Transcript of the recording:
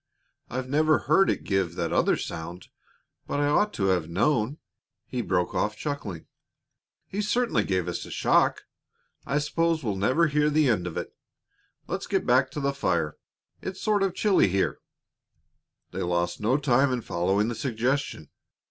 I've never heard it give that other sound, but I ought to have known " He broke off, chuckling. "He certainly gave us a shock! I suppose we'll never hear the end of it. Let's get back to the fire; it's sort of chilly here." They lost no time in following the suggestion.